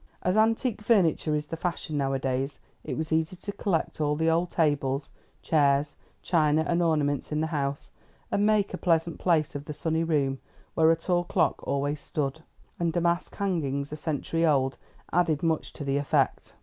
As antique furniture is the fashion now a days, it was easy to collect all the old tables, chairs, china, and ornaments in the house, and make a pleasant place of the sunny room where a tall clock always stood; and damask hangings a century old added much to the effect.